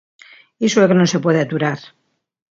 Iso é o que non se pode aturar.